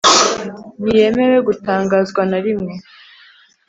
Ntiyemewe gutangazwa narimwe.